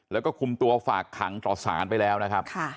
แล้วก็คุมตัวฝากขังต่อสารไปแล้วนะครับ